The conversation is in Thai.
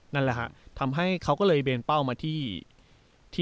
นั่นแหละฮะทำให้เขาก็เลยเบนเป้ามาที่